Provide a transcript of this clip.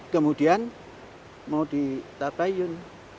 kemudian mau ditabayun